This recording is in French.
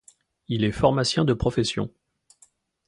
Il est pharmacien de profession.